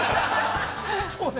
◆そうね。